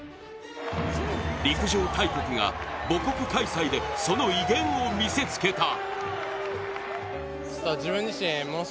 陸上大国が母国開催でその威厳を見せつけた。